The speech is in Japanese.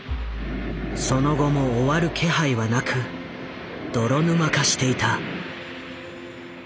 その後も終わる気配はなく泥沼化していた。